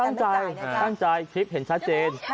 ตั้งใจตั้งใจคลิปเห็นชัดเจน